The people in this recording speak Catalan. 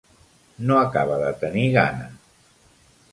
No acaba de tenir gana.